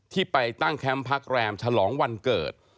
ที่ไปตั้งแคมป์พักแรมฉลองวันเกิด